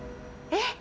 えっ？